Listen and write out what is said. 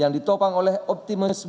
yang ditopang oleh optimisme dan keinginan